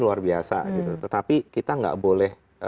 luar biasa gitu tetapi kita nggak boleh